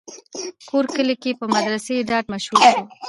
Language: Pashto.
کور کلي کښې پۀ مدرسې دادا مشهور شو